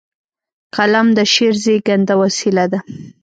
قلم د شعر زیږنده وسیله ده.